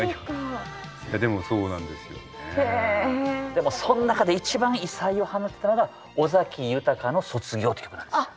でもその中で一番異彩を放ってたのが尾崎豊の「卒業」という曲なんですよ。